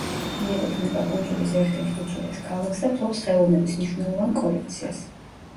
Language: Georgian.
მიეკუთვნება კუნძულის ერთ-ერთ უძველეს ქალაქს და ფლობს ხელოვნების მნიშვნელოვან კოლექციას.